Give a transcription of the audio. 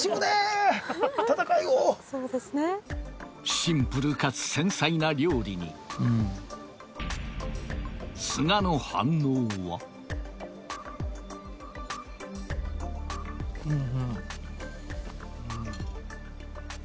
シンプルかつ繊細な料理にうん須賀の反応はうん